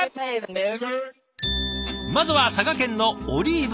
まずは佐賀県のオリーブさんから。